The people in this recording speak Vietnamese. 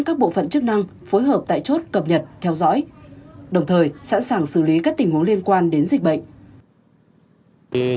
các bộ phận chức năng phối hợp tại chốt cập nhật theo dõi đồng thời sẵn sàng xử lý các tình huống liên quan đến dịch bệnh